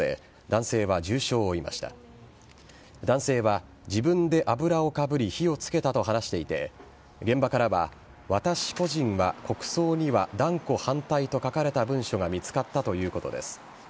男性は自分で油をかぶり火をつけたと話していて現場からは私個人は国葬には断固反対と書かれた文書が見つかったということです。